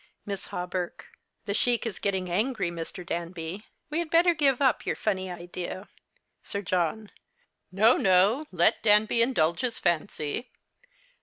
Miss Hawberk. The Sheik is getting angry, Mr. Danby. We had better give up your funny idea. Sir John. No, no, let Danby indulge his fancy.